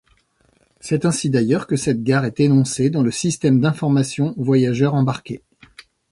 C’est ainsi d’ailleurs que cette gare est énoncée dans le Système d'information voyageurs embarqué.